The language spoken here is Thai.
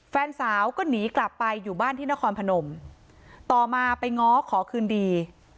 แฟนสาวก็หนีกลับไปอยู่บ้านที่นครพนมต่อมาไปง้อขอคืนดี